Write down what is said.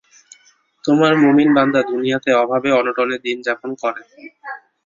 তোমার মুমিন বান্দা দুনিয়াতে অভাবে-অনটনে দিন যাপন করে।